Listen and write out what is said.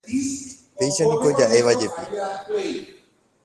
Péichaniko ja'évajepi